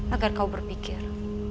agar kau berpikir